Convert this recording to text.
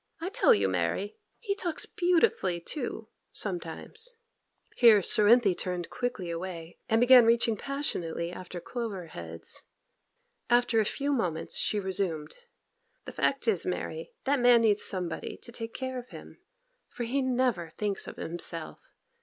I tell you, Mary, he talks beautifully too, sometimes.' Here Cerinthy turned quickly away, and began reaching passionately after clover heads. After a few moments she resumed. 'The fact is, Mary, that man needs somebody to take care of him, for he never thinks of himself.